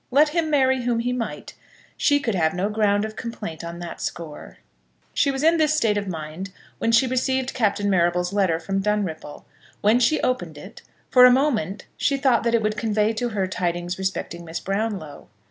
Let him marry whom he might, she could have no ground of complaint on that score. She was in this state of mind when she received Captain Marrable's letter from Dunripple. When she opened it, for a moment she thought that it would convey to her tidings respecting Miss Brownlow.